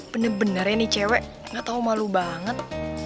bener bener ya ini cewek gak tau malu banget